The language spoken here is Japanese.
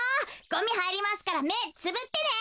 ゴミはいりますからめつぶってね。